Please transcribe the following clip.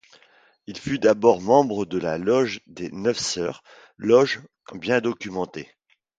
Il fut d’abord membre de la loge des Neuf Sœurs, loge bien documentée.